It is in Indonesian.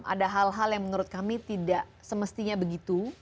ada hal hal yang menurut kami tidak semestinya begitu